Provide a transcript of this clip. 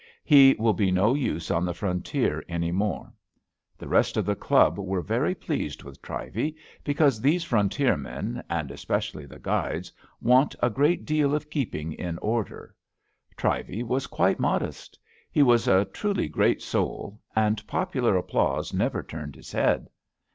He will be no use on the frontier any more. The rest of the Club were very pleased with Trivey, because these frontier men, and especially the guides, want a great deal of keeping in order. Trivey was quite modest. He was a truly great soul, and popular applause never turned his head.